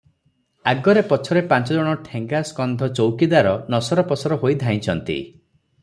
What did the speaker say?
ଆଗରେ ପଛରେ ପାଞ୍ଚଜଣ ଠେଙ୍ଗାସ୍କନ୍ଧ ଚୌକିଦାର ନସର ପସର ହୋଇ ଧାଇଁଛନ୍ତି ।